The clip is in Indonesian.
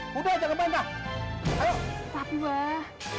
bubuk aja gak bantah ayo